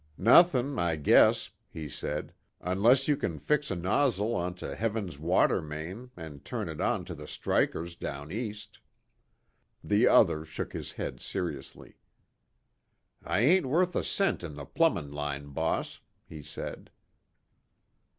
"Nothing, I guess," he said, "unless you can fix a nozzle on to heaven's water main and turn it on to the strikers down east." The other shook his head seriously. "I ain't worth a cent in the plumbin' line, boss," he said.